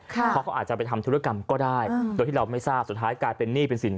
เพราะเขาอาจจะไปทำธุรกรรมก็ได้โดยที่เราไม่ทราบสุดท้ายกลายเป็นหนี้เป็นสิน